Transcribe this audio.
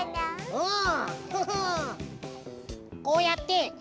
うん！